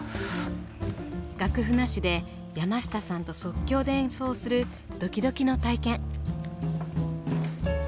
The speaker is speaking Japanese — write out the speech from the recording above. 楽譜なしで山下さんと即興で演奏するドキドキの体験。